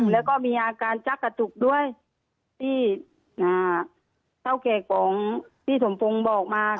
แล้วก็มีอาการจักกระจุกด้วยที่เท่าแก่ของพี่สมพงศ์บอกมา